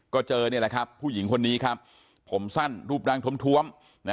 ก็เจอนี่แหละครับผู้หญิงคนนี้ครับผมสั้นรูปร่างทวม